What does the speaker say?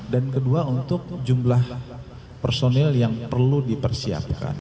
dan kedua untuk jumlah personil yang perlu dipersiapkan